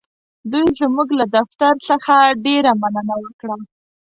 دوی زموږ له دفتر څخه ډېره مننه وکړه.